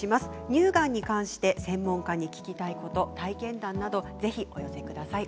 乳がんに関して専門家に聞きたいこと体験談などぜひお寄せください。